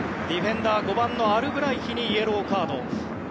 ディフェンダー５番のアルブライヒにイエローカード。